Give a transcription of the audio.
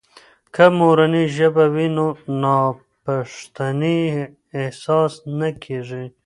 که مورنۍ ژبه وي، نو ناپښتنې احساس نه کیږي.